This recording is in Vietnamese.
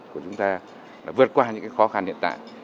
của chúng ta là vượt qua những khó khăn hiện tại